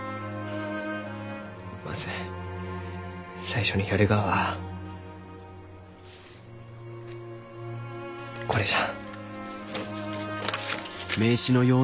まず最初にやるがはこれじゃ。